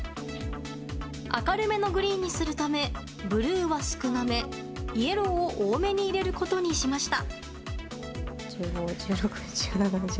明るめのグリーンにするためブルーは少なめイエローを多めに入れることにしました。